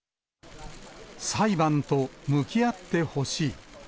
裁判と向き合ってほしい。